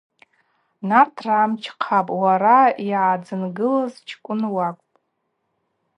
Нартыргӏа мчхъапӏ: уара йгӏадзынгылыз чкӏвынкӏ уакӏвпӏ.